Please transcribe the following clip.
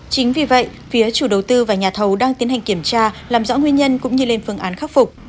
chính vì vậy phía chủ đầu tư và nhà thầu đang tiến hành kiểm tra làm rõ nguyên nhân cũng như lên phương án khắc phục